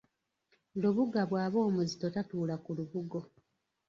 Lubuga bwaba omuzito tatuula ku lubugo.